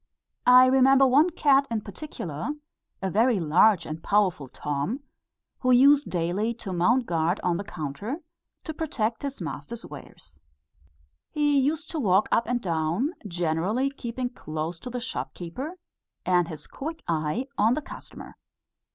I remember one cat in particular, a very large and powerful Tom, who used daily to mount guard on the counter, to protect his master's wares. He used to walk up and down, generally keeping close to the shopkeeper, and his quick eye on the customer.